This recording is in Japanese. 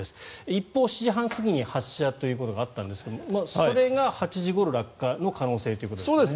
一報、７時半過ぎに発射ということがあったんですがそれが８時ごろ落下の可能性ということですか。